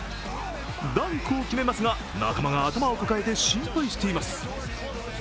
ダンクを決めますが、仲間が頭を抱えて心配しています。